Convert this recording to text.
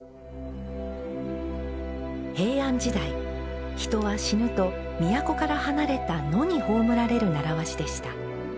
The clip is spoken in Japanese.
平安時代、人は死ぬと都から離れた、野に葬られる習わしでした。